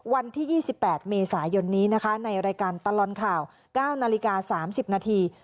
วันที่๒๘เมษายนนี้นะคะในรายการตลอดข่าว๙นาฬิกา๓๐นาที